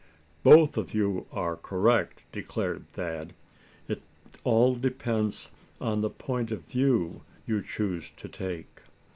"Both of you are correct," declared Thad. "It all depends on the point of view you choose to take."